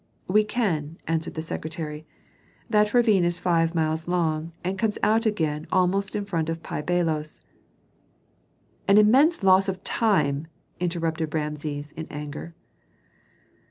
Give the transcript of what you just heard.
"We can," answered the secretary. "That ravine is five miles long, and comes out again almost in front of Pi Bailos." "An immense loss of time!" interrupted Rameses, in anger.